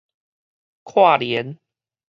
跨年